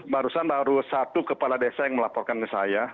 barusan baru satu kepala desa yang melaporkan ke saya